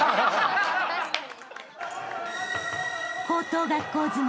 確かに。